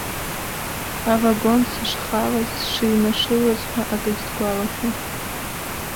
Авагон сышхалаз, сшыҩнашылаз ҳәа акагьы сгәалашәом.